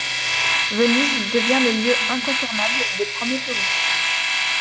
Venise devient le lieu incontournable des premiers touristes.